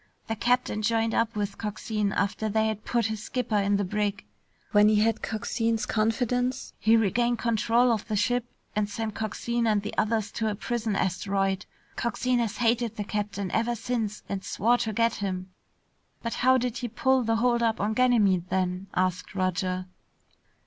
The captain joined up with Coxine after they had put his skipper in the brig. When he had Coxine's confidence, he regained control of the ship and sent Coxine and the others to a prison asteroid. Coxine has hated the captain ever since and swore to get him." "But how did he pull the holdup on Ganymede, then?" asked Roger.